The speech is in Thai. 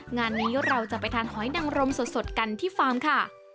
งานนี้เราจะไปทานหอยนังรมสดกันที่ฟาร์มค่ะ